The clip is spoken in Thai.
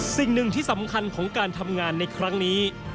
สิ่งหนึ่งที่สำคัญของการทำงานในครั้งนี้